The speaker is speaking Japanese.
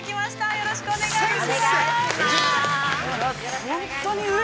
◆よろしくお願いします。